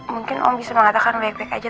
mungkin om bisa mengatakan baik baik aja